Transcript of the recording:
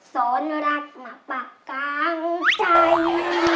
สอนรักมาปักกลางใจ